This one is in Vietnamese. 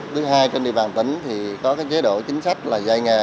thứ hai trên địa bàn tỉnh thì có cái chế độ chính sách là dạy nghề